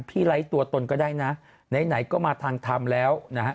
พี่ไล่ตัวตนก็ได้นะไหนก็มาทางทำแล้ว